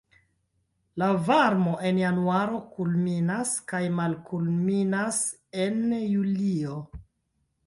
La varmo en januaro kulminas kaj malkulminas en julio.